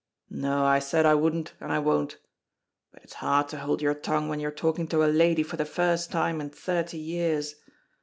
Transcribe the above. No, I said I wouldn't, and I won't. But it's hard to hold your tongue when you're talking to a lady for the first time in thirty years.